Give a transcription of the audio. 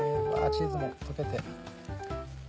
チーズも溶けて。